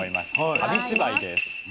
紙芝居です。